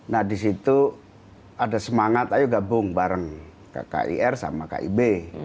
nah di situ ada semangat ayo gabung bareng kkir sama kib